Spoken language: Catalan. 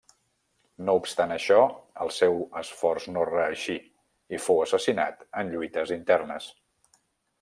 No obstant això, el seu esforç no reeixí i fou assassinat en lluites internes.